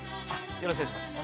よろしくお願いします。